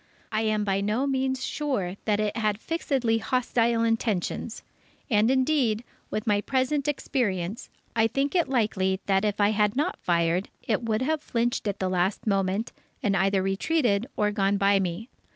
I am by no means sure that it had fixedly hostile intentions. And indeed, with my present experience, I think it likely that if I had not fired, it would have flinched at the last moment, and either retreated or gone by me.